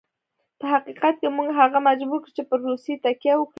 په حقیقت کې موږ هغه مجبور کړ چې پر روسیې تکیه وکړي.